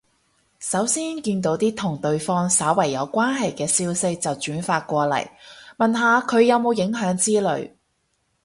首先見到啲同對方稍為有關係嘅消息就轉發過嚟，問下佢有冇影響之類